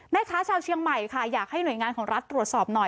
ชาวเชียงใหม่ค่ะอยากให้หน่วยงานของรัฐตรวจสอบหน่อย